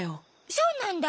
そうなんだ。